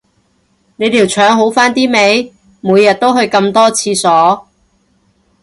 你條腸好返啲未，每日都去咁多廁所